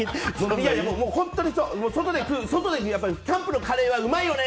本当に外で、キャンプのカレーはうまいよね！